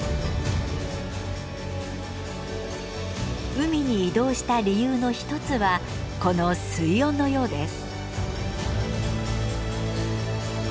海に移動した理由の一つはこの水温のようです。